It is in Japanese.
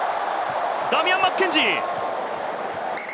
ダミアン・マッケンジー。